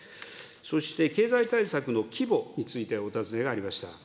そして、経済対策の規模についてお尋ねがありました。